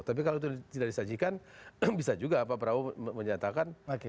tapi kalau itu tidak disajikan kan bisa juga pak prabowo menyatakan